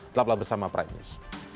selaplah bersama prime news